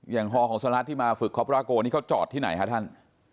อย่างฮของสหรัฐที่มาฝึกครอบประโกนนี้เขาจอดที่ไหนคะท่าน